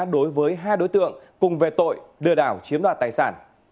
đối với hai đối tượng cùng về tội lừa đảo chiếm đoạt tài sản